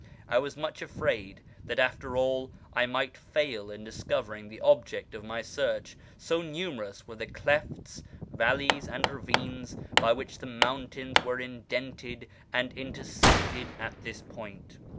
I was much afraid that after all I might fail in discovering the object of my search, so numerous were the clefts, valleys, and ravines by which the mountains were indented and intersected at this point.